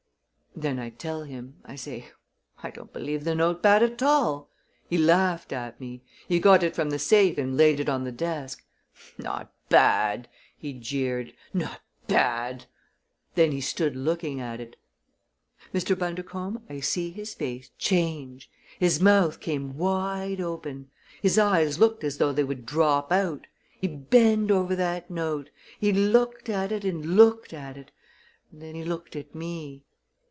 "Then I tell him. I say: 'I don't believe the note bad at all!' He laughed at me. He got it from the safe and laid it on the desk. 'Not bad!' he jeered. 'Not bad!' Then he stood looking at it. "Mr. Bundercombe, I see his face change. His mouth came wide open; his eyes looked as though they would drop out. He bend over that note. He looked at it and looked at it; and then he looked at me.